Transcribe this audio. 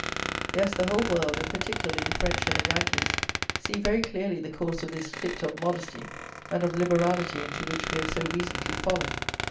Yes, the whole world, and particularly the French and the Yankees, see very clearly the course of this fit of modesty and of liberality into which we have so recently fallen.